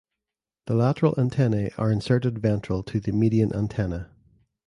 The lateral antennae are inserted ventral to the median antenna.